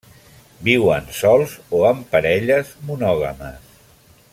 Viuen sols o en parelles monògames.